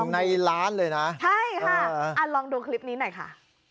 ในร้านเลยนะใช่ค่ะลองดูคลิปนี้หน่อยค่ะ